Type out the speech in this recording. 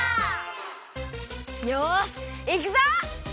よしいくぞ！